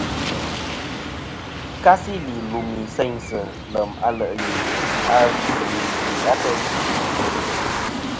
Yì kasi su lùmì seynsɨ lèm a le' ghè a zɨ nì li atayn.